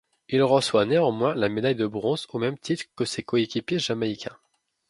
Il reçoit néanmoins la médaille de bronze au même titre que ses coéquipiers jamaïcains.